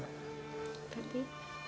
berapa waktu itu